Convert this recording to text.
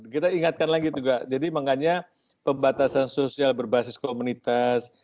kita ingatkan lagi juga jadi makanya pembatasan sosial berbasis komunitas